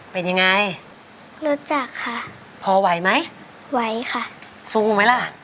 เป็นยังไงรู้จักค่ะพอไหวไหมไหวค่ะสู้ไหมล่ะ